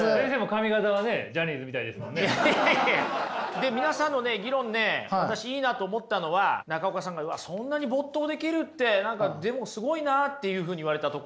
で皆さんの議論ね私いいなと思ったのは中岡さんがそんなに没頭できるって何かでもすごいなっていうふうに言われたところね。